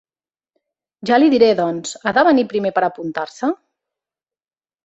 Ja li diré doncs, ha de venir primer per apuntar-se?